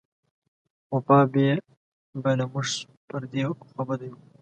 وفا به له موږ پر دې خوابدۍ و.